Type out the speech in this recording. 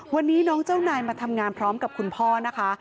วันนี้น้องเจ้านายมาทำงานพร้อมกับคุณพ่อนะคะ